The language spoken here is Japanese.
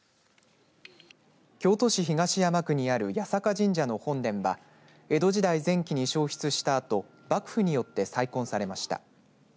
京都市東山区にある八坂神社の本殿は江戸時代前期に焼失したあと幕府によって再建されました。